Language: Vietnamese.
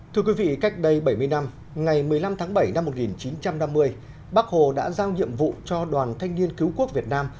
thưa quý vị cách đây bảy mươi năm ngày một mươi năm tháng bảy năm một nghìn chín trăm năm mươi bác hồ đã giao nhiệm vụ cho đoàn thanh niên cứu quốc việt nam